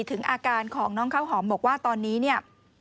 ถึงอาการของน้องข้าวหอมบอกว่าตอนนี้เนี่ย